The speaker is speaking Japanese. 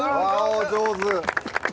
お上手！